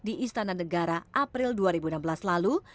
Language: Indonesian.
di istana negara april dua ribu enam belas lalu